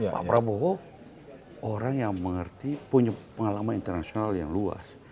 pak prabowo orang yang mengerti punya pengalaman internasional yang luas